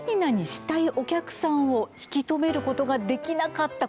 ○○○したいお客さんを引き止めることができなかった